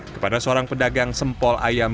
kepada seorang pedagang sempol ayam